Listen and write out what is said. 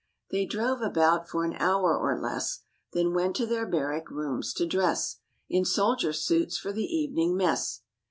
' They drove about for an hour or less, Then went to their barrack rooms to dress , In soldier suits for the evening S mess.